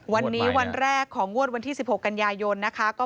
วันนี้วันแรกของงวดวันที่๑๖กันยายนนะคะ